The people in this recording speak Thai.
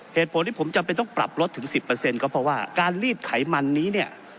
เหตุผลที่ผมจำเป็นต้องปรับลดถึง๑๐ก็เพราะว่าการลีดไขมันนี้เนี่ย